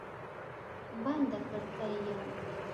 بنده کړکۍ یم